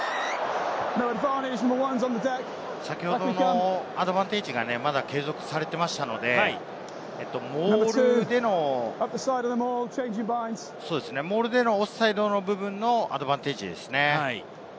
先ほどのアドバンテージがまだ継続されていましたので、モールでのオフサイドの部分のアドバンテージですね。